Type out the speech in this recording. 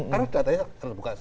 karena datanya terbuka